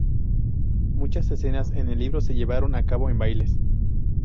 Muchas escenas en el libro se llevaron a cabo en bailes.